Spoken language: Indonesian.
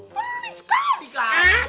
beli sekali kak